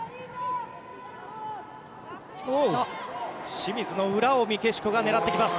清水の裏をメキシコが狙ってきます。